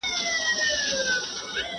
ولي تل د مظلوم اواز په تيارو کي ورکېږي؟